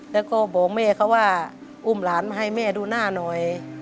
แล้วก็บอกแม่เขาว่าอุ้มหลานมาให้แม่ดูหน้าหน่อย